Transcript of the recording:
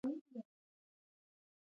کۀ د چا خوښ نۀ يم ما دې نۀ فالو کوي -